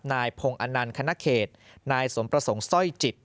นายพงศ์อนันต์คณะเขตนายสมประสงค์สร้อยจิต